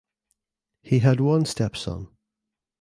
He had one stepson.